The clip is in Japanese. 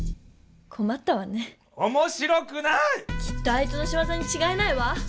きっとあいつのしわざにちがいないわ！